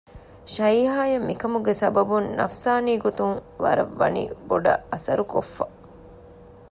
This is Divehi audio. ޝައިހާއަށް މިކަމުގެ ސަބަބުން ނަފްސާނީ ގޮތުން ވަރަށް ވަނީ ބޮޑަށް އަސަރު ކޮއްފަ